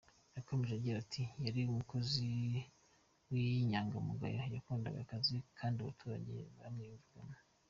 Yakomeje agira ati "Yari umukozi w’inyangamugayo yakundaga akazi kandi abaturage bamwiyumvagamo.